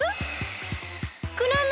クラム！